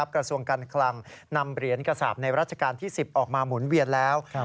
กระทรวงการคลังนำเหรียญกระสาปในรัชกาลที่๑๐ออกมาหมุนเวียนแล้ว